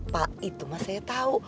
pak itu mas saya tahu